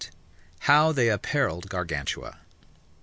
How they apparelled Gargantua.